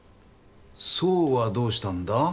奏はどうしたんだ？